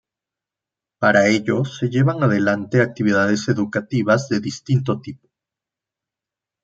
Para ello se llevan adelante actividades educativas de distinto tipo.